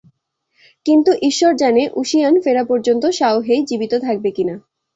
কিন্তু ঈশ্বর জানে ঊশিয়ান ফেরা পর্যন্ত শাওহেই জীবিত থাকবে কি না।